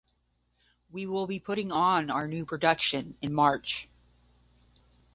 We will be putting on our new production in March.